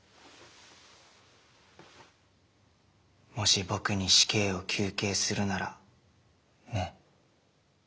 もし僕に死刑を求刑するならね。